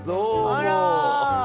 あら！